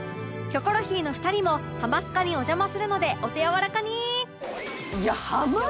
『キョコロヒー』の２人も『ハマスカ』にお邪魔するのでお手柔らかに！